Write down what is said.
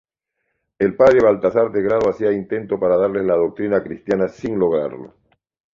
El padre Balthazar de Grado hacía intentos por darles la doctrina cristiana, sin lograrlo.